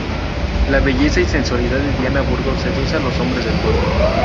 La belleza y sensualidad de Diana Burgos seduce a los hombres del pueblo.